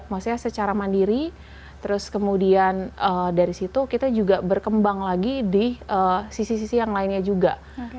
maksudnya secara mandiri terus kemudian dari situ kita juga berkembang lagi di sisi sisi yang lainnya juga